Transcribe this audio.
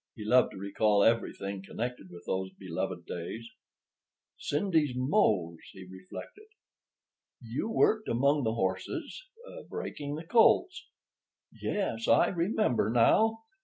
He loved to recall everything connected with those beloved days. "Cindy's Mose," he reflected. "You worked among the horses—breaking the colts. Yes, I remember now.